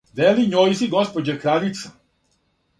Вели њојзи госпођа краљица: